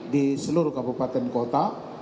di seluruh kabupaten kota